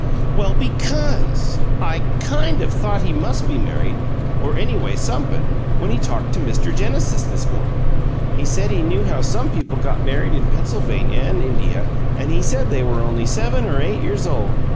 "Well, because! I KIND of thought he must be married, or anyways somep'm, when he talked to Mr. Genesis this mornin'. He said he knew how some people got married in Pennsylvania an' India, an' he said they were only seven or eight years old.